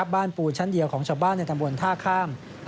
ปูนชั้นเดียวของชาวบ้านในตำบลท่าข้าม